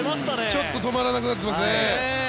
ちょっと止まらなくなってますね。